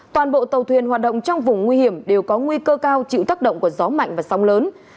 toàn bộ tàu thuyền hoạt động trong vùng nguy hiểm đều có nguy cơ cao chịu tác động của gió mạnh và sóng lớn